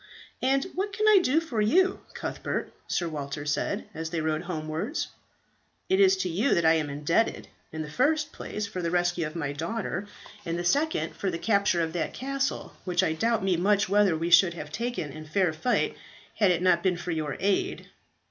"And what can I do for you, Cuthbert?" Sir Walter said, as they rode homewards. "It is to you that I am indebted: in the first place for the rescue of my daughter, in the second for the capture of that castle, which I doubt me much whether we should ever have taken in fair fight had it not been for your aid."